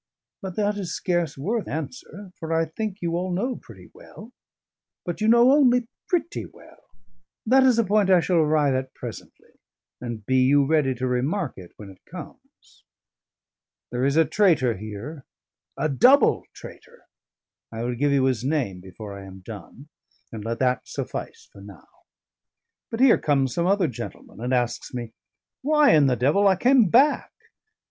But that is scarce worth answer, for I think you all know pretty well. But you know only pretty well: that is a point I shall arrive at presently, and be you ready to remark it when it comes. There is a traitor here: a double traitor: I will give you his name before I am done; and let that suffice for now. But here comes some other gentleman and asks me, 'Why, in the devil, I came back?'